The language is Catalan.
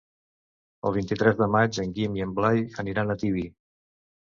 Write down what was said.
El vint-i-tres de maig en Guim i en Blai aniran a Tibi.